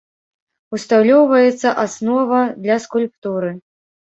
Усталёўваецца аснова для скульптуры.